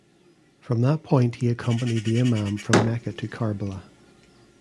From that point he accompanied the Imam from Mecca to Karbala.